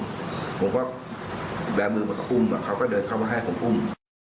ผมก็แบมือมาอุ้มเขาก็เดินเข้ามาให้ผมอุ้ม